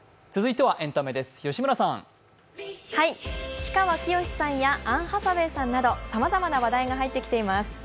氷川きよしさんやアン・ハサウェイさんなどさまざまな話題が入ってきています。